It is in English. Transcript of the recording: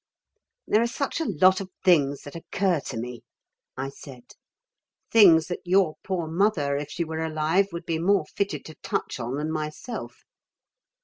"There are such a lot of things that occur to me," I said. "Things that your poor mother, if she were alive, would be more fitted to touch on than myself."